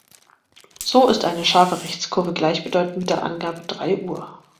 So ist eine scharfe Rechtskurve gleichbedeutend mit der Angabe „drei Uhr“.